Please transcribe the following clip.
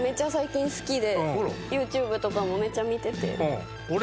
ＹｏｕＴｕｂｅとかもめっちゃ見てて。